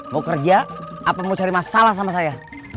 mau kerja apa mau cari masalah sama saya